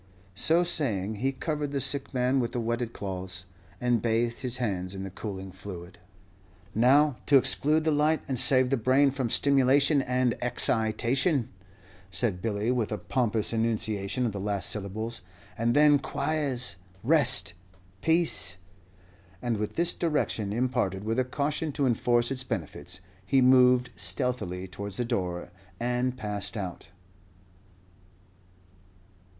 So saying, he covered the sick man with the wetted cloths, and bathed his hands in the cooling fluid. "Now to exclude the light and save the brain from stimulation and excitation," said Billy, with a pompous enunciation of the last syllables; "and then quies rest peace!" And with this direction, imparted with a caution to enforce its benefits, he moved stealthily towards the door and passed out.